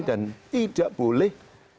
dan tidak boleh